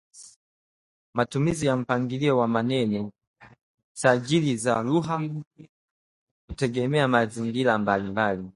matumizi ya mpangilio wa maneno, sajili za lugha kutegemea mazingira mbalimbali